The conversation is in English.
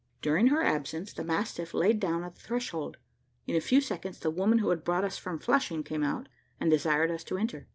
During her absence the mastiff laid down at the threshold. In a few seconds the woman who had brought us from Flushing came out, and desired us to enter.